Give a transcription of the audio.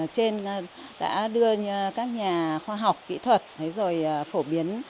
trên đã đưa các nhà khoa học kỹ thuật